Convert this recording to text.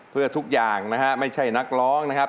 เพื่อทุกอย่างนะฮะไม่ใช่นักร้องนะครับ